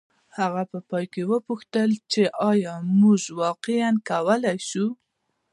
هغه په پای کې وپوښتل چې ایا موږ واقعیا کولی شو